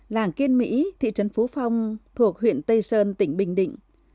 làng kiên mỹ thị trấn phú phong thuộc huyện tây sơn tỉnh bình định